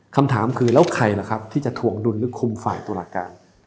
คำถามคือแล้วใครล่ะครับที่จะถวงดุลหรือคุมฝ่ายตุลาการ